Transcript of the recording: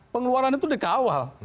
pengeluaran itu dikawal